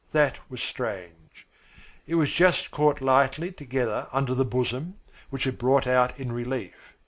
That was strange. It was just caught lightly together under the bosom, which it brought out in relief.